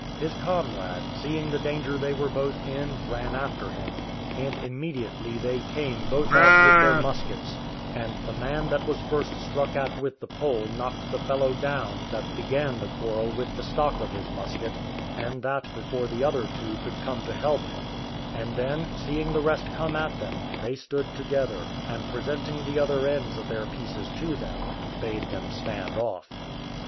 His comrade, seeing the danger they were both in, ran after him, and immediately they came both out with their muskets, and the man that was first struck at with the pole knocked the fellow down that began the quarrel with the stock of his musket, and that before the other two could come to help him; and then, seeing the rest come at them, they stood together, and presenting the other ends of their pieces to them, bade them stand off.